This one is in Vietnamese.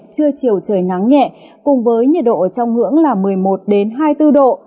trưa chiều trời nắng nhẹ cùng với nhiệt độ trong ngưỡng là một mươi một hai mươi bốn độ